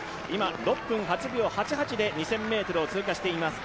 ６分８秒８８で２０００ｍを通過しています。